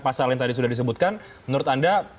pasal yang tadi sudah disebutkan menurut anda